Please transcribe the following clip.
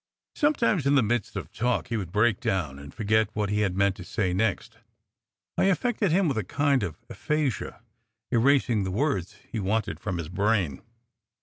Sometimes in the midst of talk he would break down and forget what he had meant to say next. I affected him with a kind of aphasia, erasing the words he wanted from his brain.